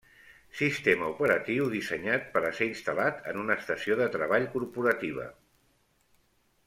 Sistema operatiu dissenyat per a ser instal·lat en una estació de treball corporativa.